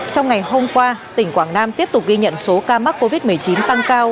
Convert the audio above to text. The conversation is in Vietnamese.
trong ngày hôm qua tỉnh quảng nam tiếp tục ghi nhận số ca mắc covid một mươi chín tăng cao